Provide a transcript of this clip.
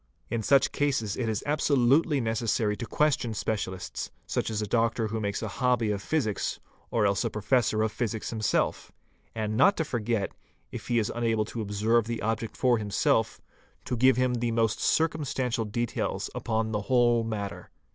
In such cases it is absolutely necessary to question specialists, — m4 such as a doctor who makes a hobby of physics, or else a professor of 2 physics himself, and not to forget, if he is unable to observe the object for himself, to give him the most circumstantial details upon the whole — matter.